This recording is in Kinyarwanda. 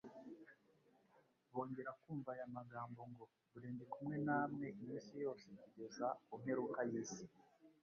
bongera kumva aya magambo ngo :« dore ndi kumwe namwe iminsi yose kugeza ku mperuka y'isi!»